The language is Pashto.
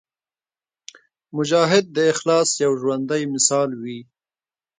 مجاهد د اخلاص یو ژوندی مثال وي.